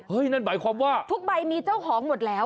นั่นหมายความว่าทุกใบมีเจ้าของหมดแล้ว